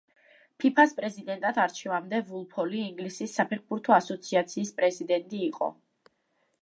ფიფა-ს პრეზიდენტად არჩევამდე, ვულფოლი ინგლისის საფეხბურთო ასოციაციის პრეზიდენტი იყო.